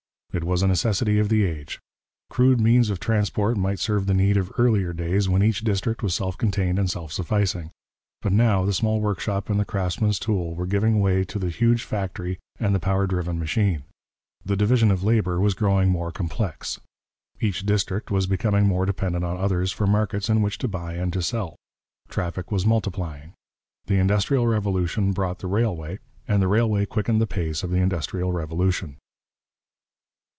It was a necessity of the age. Crude means of transport might serve the need of earlier days when each district was self contained and self sufficing. But now the small workshop and the craftsman's tool were giving way to the huge factory and the power driven machine. The division of labour was growing more complex. Each district was becoming more dependent on others for markets in which to buy and to sell. Traffic was multiplying. The industrial revolution brought the railway, and the railway quickened the pace of the industrial revolution.